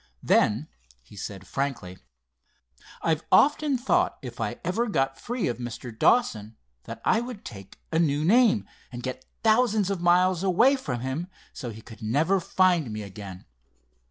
Then he said frankly: "I've often thought if I ever got free of Mr. Dawson that I would take a new name, and get thousands of miles away from him, so he could never find me again.